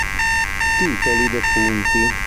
Titoli Defunti